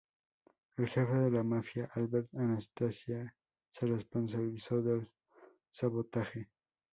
El jefe de la mafia, Albert Anastasia, se responsabilizó del sabotaje.